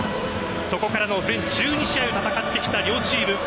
そこからの全１２試合を戦ってきた両チーム。